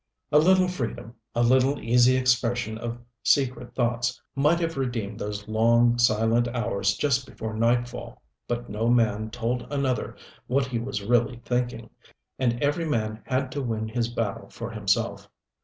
A little freedom, a little easy expression of secret thoughts might have redeemed those long, silent hours just before nightfall. But no man told another what he was really thinking, and every man had to win his battle for himself.